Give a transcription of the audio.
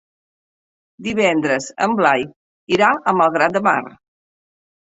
Divendres en Blai irà a Malgrat de Mar.